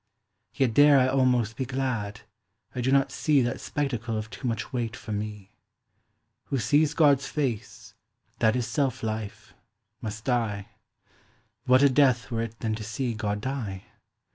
Yet dare I'almost be glad, I do not seeThat spectacle of too much weight for mee. Who sees Gods face, that is selfe life, must dye; What a death were it then to see God dye?